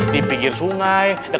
dipinggir sungai deket deket